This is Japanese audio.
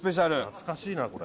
懐かしいなこれ。